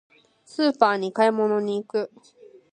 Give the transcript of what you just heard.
スーパーに買い物に行く。